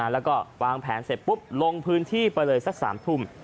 แล้วก็วางแผนเสร็จปุ๊บลงพื้นที่ไปเลยสัก๓ทุ่ม